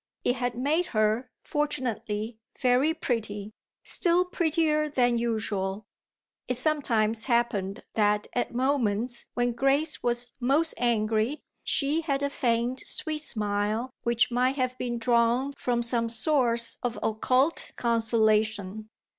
It had made her, fortunately, very pretty still prettier than usual: it sometimes happened that at moments when Grace was most angry she had a faint sweet smile which might have been drawn from some source of occult consolation.